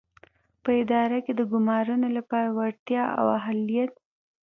په اداره کې د ګومارنو لپاره وړتیا او اهلیت.